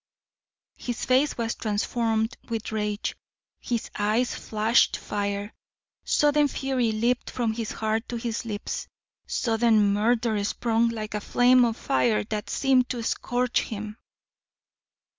His face was transformed with rage, his eyes flashed fire, sudden fury leaped from his heart to his lips, sudden murder sprung like a flame of fire that seemed to scorch him.